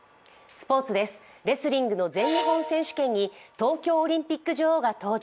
スポ−ツです、レスリングの全日本選手権に東京オリンピック女王が登場。